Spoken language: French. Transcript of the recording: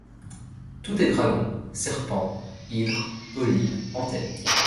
Tout est dragon, serpent, hydre, polype, antenne